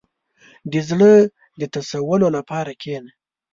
• د زړۀ د تشولو لپاره کښېنه.